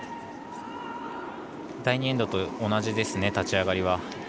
第２エンドと同じですね立ち上がりは。